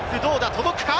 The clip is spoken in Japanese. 届くか？